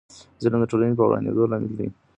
ظلم د ټولني د ورانیدو لامل دی.